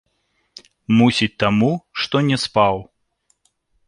Мусіць, таму, што не спаў.